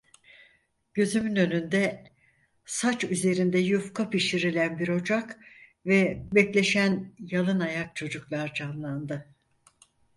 Gözümün önünde, saç üzerinde yufka pişirilen bir ocak ve bekleşen yalınayak çocuklar canlandı.